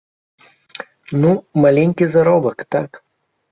Ну, маленькі заробак, так!